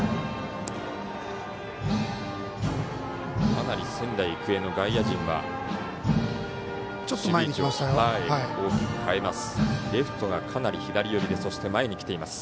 かなり仙台育英の外野陣は守備位置を大きく変えます。